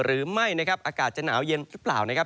หรือไม่นะครับอากาศจะหนาวเย็นหรือเปล่านะครับ